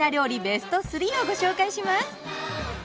ベスト３をご紹介します。